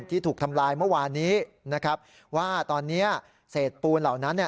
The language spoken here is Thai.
ที่ถูกทำลายเมื่อวานนี้นะครับว่าตอนนี้เศษปูนเหล่านั้นเนี่ย